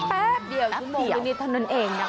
แป๊บเดี๋ยวทุกโมงตรงนี้ถนนเองนะ